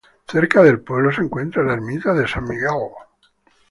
Cerca del pueblo se encuentra la ermita de San Miguel.